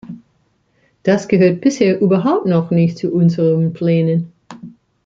Das gehört bisher überhaupt noch nicht zu unseren Plänen.